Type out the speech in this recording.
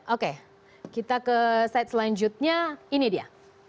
oke kita ke slide selanjutnya ini dia